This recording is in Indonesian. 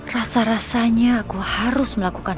rasa rasanya aku harus melakukan